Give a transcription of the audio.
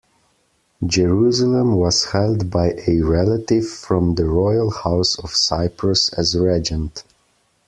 Jerusalem was held by a relative from the royal house of Cyprus as regent.